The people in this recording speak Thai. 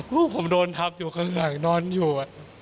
ลูกผมโดนทับอยู่ข้างหลังนอนอยู่